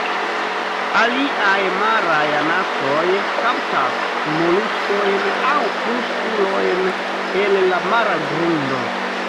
Aliaj maraj anasoj kaptas moluskojn aŭ krustulojn el la mara grundo.